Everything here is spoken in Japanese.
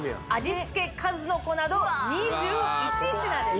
付数の子など２１品です